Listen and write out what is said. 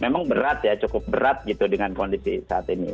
memang berat ya cukup berat gitu dengan kondisi saat ini